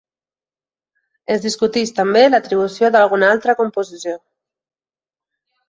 Es discuteix també l'atribució d'alguna altra composició.